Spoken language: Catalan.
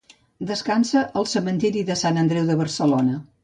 Descansa al Cementiri de Sant Andreu de Barcelona.